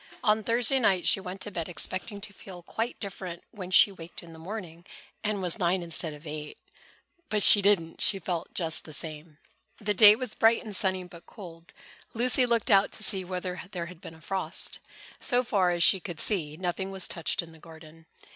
On Thursday night she went to bed expecting to feel quite different when she waked in the morning and was nine instead of eight. But she didn't. She felt just the same. The day was bright and sunny but cold. Lucy looked out to see whether there had been a frost. So far as she could see, nothing was touched in the garden.